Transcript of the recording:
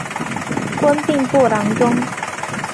官兵部郎中。